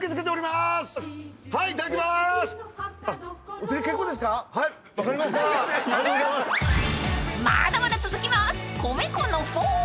［まだまだ続きます！］